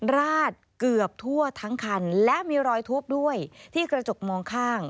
ราดเกือบทั่วทั้งคันและมีรอยทุบด้วยที่กระจกมองข้าง